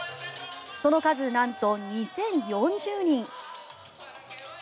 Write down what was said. その数、なんと２０４０人。